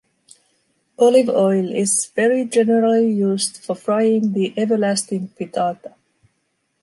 Olive oil is very generally used for frying the everlasting frittata.